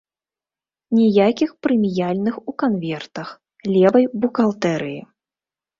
Ніякіх прэміяльных у канвертах, левай бухгалтэрыі.